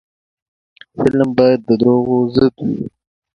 فلم باید د دروغو ضد وي